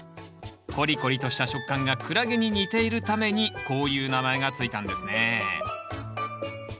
コリコリとした食感がクラゲに似ているためにこういう名前が付いたんですね。